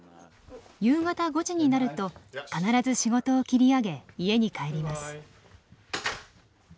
夕方５時になると必ず仕事を切り上げ家に帰ります。